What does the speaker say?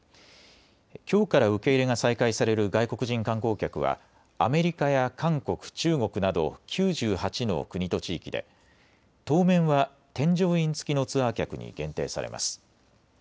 きょうから受け入れが再開される外国人観光客はアメリカや韓国、中国など９８の国と地域で当面は添乗員付きのツアー客に限定されます。